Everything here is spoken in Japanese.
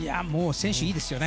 選手、いいですよね。